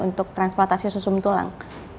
untuk transplantasi sum tulang